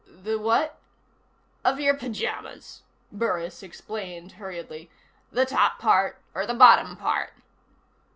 "The what?" "Of your pyjamas," Burris explained hurriedly. "The top part or the bottom part?"